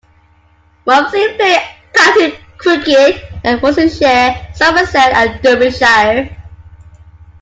Rumsey played county cricket for Worcestershire, Somerset and Derbyshire.